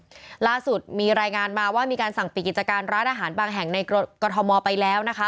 ล่าสุดมีรายงานมาว่ามีการสั่งปิดกิจการร้านอาหารบางแห่งในกรทมไปแล้วนะคะ